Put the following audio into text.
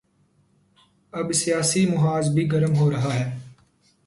اب سیاسی محاذ بھی گرم ہو رہا ہے۔